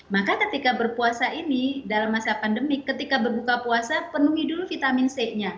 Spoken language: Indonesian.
maka ketika berpuasa ini dalam masa pandemi ketika berbuka puasa penuhi dulu vitamin c nya